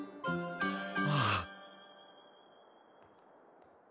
ああ。